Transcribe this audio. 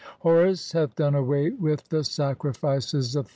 Horus hath done away with the sacri "fices of Thoth.